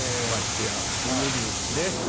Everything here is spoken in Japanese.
ましてや冬にね